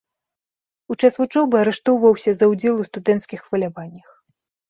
У час вучобы арыштоўваўся за ўдзел у студэнцкіх хваляваннях.